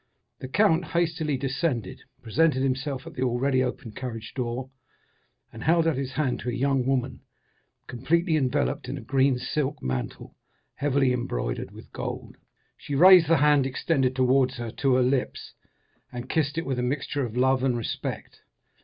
The count hastily descended, presented himself at the already opened carriage door, and held out his hand to a young woman, completely enveloped in a green silk mantle heavily embroidered with gold. She raised the hand extended towards her to her lips, and kissed it with a mixture of love and respect.